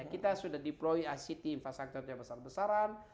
kita sudah deploy ict infrastructure yang besar besaran